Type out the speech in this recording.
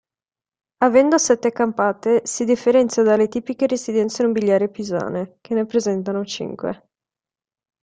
Avendo sette campate, si differenzia dalle tipiche residenze nobiliari pisane, che ne presentano cinque.